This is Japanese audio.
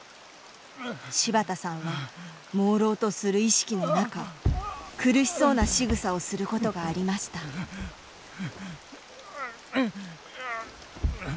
柴田さんはもうろうとする意識の中苦しそうなしぐさをすることがありましたうううう。